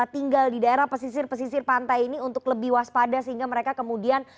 tinggal di daerah pesisir pesisir pantai ini untuk lebih waspada sehingga mereka kemudian